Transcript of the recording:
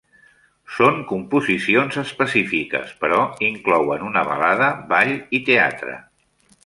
Són composicions específiques, però inclouen una balada, ball i teatre.